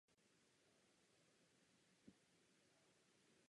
Této ženě je již devadesát jedna let a je invalidní.